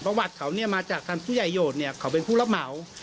ประวัติเขาเนี่ยมาจากทางผู้ใหญ่โหดเนี่ยเขาเป็นผู้รับเหมา